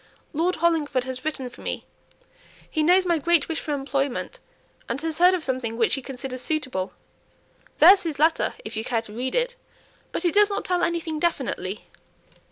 Lord Hollingford has written for me; he knows my great wish for employment, and has heard of something which he considers suitable; there's his letter if you care to read it. But it does not tell anything definitely."